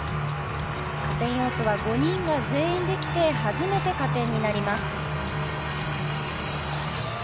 加点要素は５人が全員できて初めて加点になります。